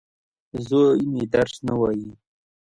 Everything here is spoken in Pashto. زوی مي درس نه وايي.